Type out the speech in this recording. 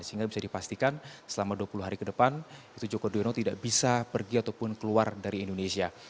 sehingga bisa dipastikan selama dua puluh hari ke depan itu joko driono tidak bisa pergi ataupun keluar dari indonesia